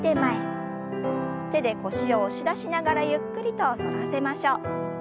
手で腰を押し出しながらゆっくりと反らせましょう。